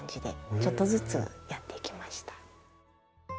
ちょっとずつやっていきました。